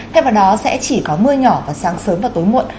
thay vào đó sẽ chỉ có mưa nhỏ vào sáng sớm và tối muộn